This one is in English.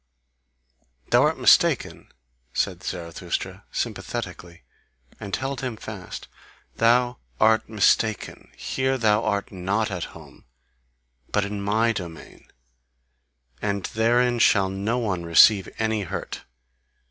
"Thou art mistaken," said Zarathustra sympathetically, and held him fast; "thou art mistaken. Here thou art not at home, but in my domain, and therein shall no one receive any hurt.